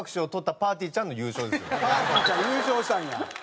ぱーてぃーちゃん優勝したんや。